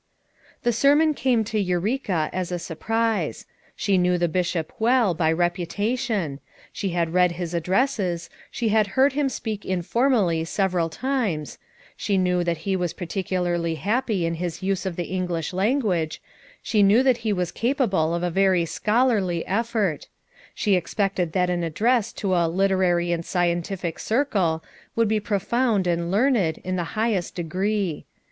The sermon came to Eureka as a surprise. She knew the Bishop well, by reputation; she had read his addresses, she had heard him 216 FOUR MOTHERS AT CHAUTAUQUA speak informally several times ; slie knew that he was peculiarly happy in his use of the Eng lish language, she knew that he was capable of a very scholarly effort; she expected that an address to a "Literary and Scientific Circle" would be profound and learned in the highest degree.